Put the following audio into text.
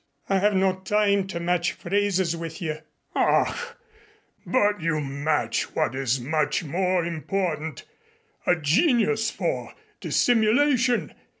"I have no time to match phrases with you " "Ach, but you match what is much more important a genius for dissimulation.